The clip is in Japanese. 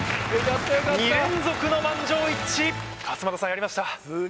２連続の満場一致勝又さんやりました